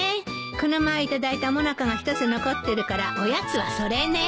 この前頂いたもなかが１つ残ってるからおやつはそれね。